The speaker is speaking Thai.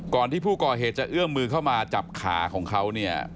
ที่ผู้ก่อเหตุจะเอื้อมมือเข้ามาจับขาของเขาเนี่ย